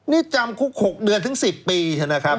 นี่จำคุก๖เดือนถึง๑๐ปีใช่ไหมครับ